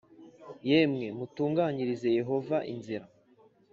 Yemwe mutunganyirize Yehova inzira.